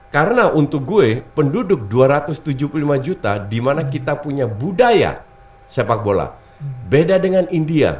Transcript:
karena untuk gue penduduk dua ratus tujuh puluh lima juta di mana kita punya budaya sepak bola beda dengan india